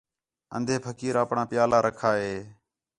اندھر پھقیر اپݨاں پیالہ رکھا ہِے